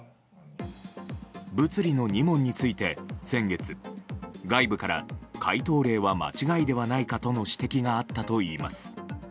物理の２問について先月外部から解答例は間違いではないかとの指摘があったといいます。